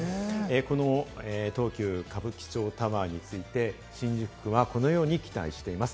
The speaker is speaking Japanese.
この東急歌舞伎町タワーについて新宿区はこのように期待しています。